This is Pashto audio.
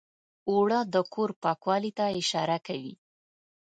اوړه د کور پاکوالي ته اشاره کوي